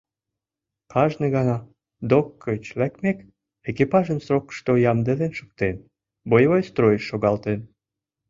Кажне гана, док гыч лекмек, экипажым срокышто ямдылен шуктен, боевой стройыш шогалтен.